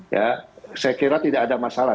ya saya kira tidak ada masalah